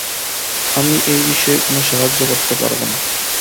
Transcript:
আমি এ বিষয়ে কোন সাহায্য করতে পারবনা!